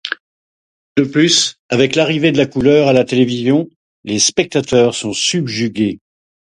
De plus, avec l'arrivée de la couleur à la télévision, les spectateurs sont subjugués.